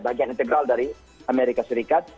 bagian integral dari amerika serikat